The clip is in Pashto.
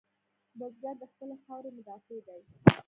بزګر د خپلې خاورې مدافع دی